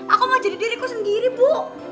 aku mau jadi diriku sendiri bu